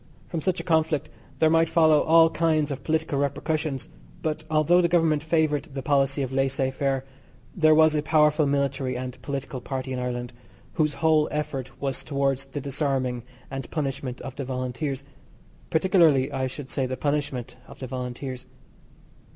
From such a conflict there might follow all kinds of political repercussions; but although the Government favoured the policy of laissez faire, there was a powerful military and political party in Ireland whose whole effort was towards the disarming and punishment of the Volunteers particularly I should say the punishment of the Volunteers.